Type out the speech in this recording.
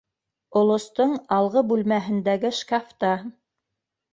Олостоң алғы бүлмәһендәге шкафта.